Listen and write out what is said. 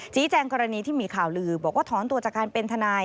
แจ้งกรณีที่มีข่าวลือบอกว่าถอนตัวจากการเป็นทนาย